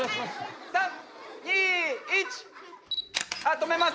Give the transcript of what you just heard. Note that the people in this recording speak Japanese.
止めます！